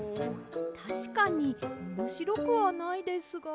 たしかにおもしろくはないですが。